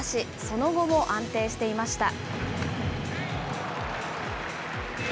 その後も安定していました。